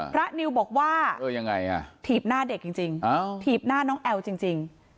นิวบอกว่าถีบหน้าเด็กจริงถีบหน้าน้องแอลจริง